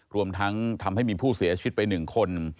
รวมทั้งทำให้มีผู้เสียชีวิตไป๑คน